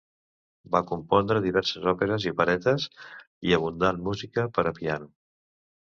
Va compondre diverses òperes i operetes i abundant música per a piano.